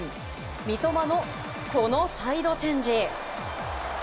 三笘のこのサイドチェンジ。